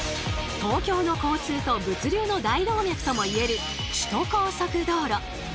東京の交通と物流の大動脈とも言える首都高速道路。